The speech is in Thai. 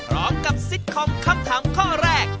ร้องกับซิตคอมคำถามข้อแรก